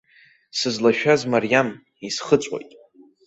Сызлашәаз мариам, исхыҵәоит.